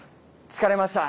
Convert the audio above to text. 疲れました。